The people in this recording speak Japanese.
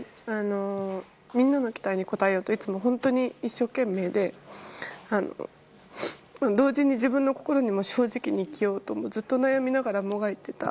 みんなの期待に応えようといつも本当に一生懸命で同時に自分の心にも正直に生きようとずっと悩みながらもがいていた。